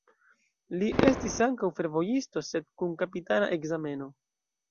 Li estis ankaŭ fervojisto, sed kun kapitana ekzameno.